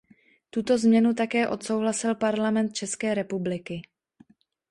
Tuto změnu také odsouhlasil Parlament České republiky.